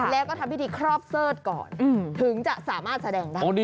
แล้วก็ทำพิธีครอบเสิร์ธก่อนถึงจะสามารถแสดงได้